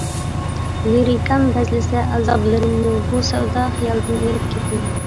لىرىكام بەزلىسە ئازابلىرىمنى، بۇ سەۋدا خىيالدىن ئېرىپ كېتىمەن.